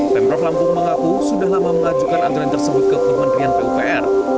pemprov lampung mengaku sudah lama mengajukan anggaran tersebut ke kementerian pupr